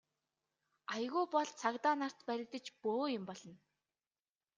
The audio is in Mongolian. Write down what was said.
Аягүй бол цагдаа нарт баригдаж бөөн юм болно.